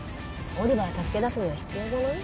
オリバーを助け出すには必要じゃない？